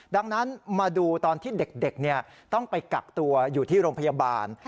ดังนั้นมาดูตอนที่เด็กต้องไปกักตัวอยู่ที่โรงพยาบาล